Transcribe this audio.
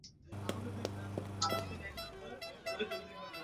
ঐ একই টেস্টে আরও দুইজন অস্ট্রেলীয় বোলার ফিফার লাভ করেছিলেন।